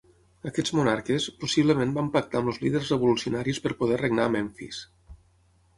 Aquests monarques, possiblement van pactar amb els líders revolucionaris per poder regnar a Memfis.